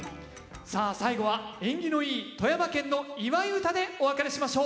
さあ最後は縁起のいい富山県の祝い唄でお別れしましょう。